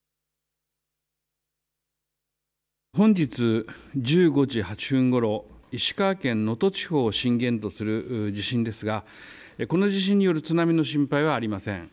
本日１５時８分ごろ、石川県能登地方を震源とする地震ですがこの地震による津波の心配はありません。